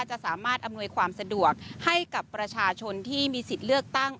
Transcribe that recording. จะสามารถอำนวยความสะดวกให้กับประชาชนที่มีสิทธิ์เลือกตั้ง